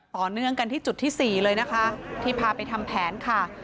ต่อเนื่องกันที่จุดที่๔เลยนะคะที่พาไปทำแผนค่ะ